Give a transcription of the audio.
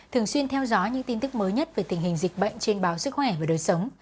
thường xuyên theo dõi những tin tức mới nhất về tình hình dịch bệnh trên báo sức khỏe và đời sống